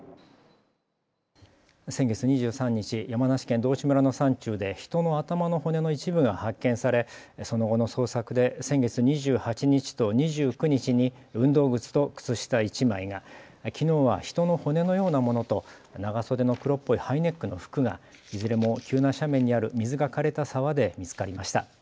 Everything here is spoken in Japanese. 先月２３日、山梨県道志村の山中で人の頭の骨の一部が発見され、その後の捜索で先月２８日と２９日に運動靴と靴下１枚が、きのうは人の骨のようなものと長袖の黒っぽいハイネックの服がいずれも急な斜面にある水がかれた沢で見つかりました。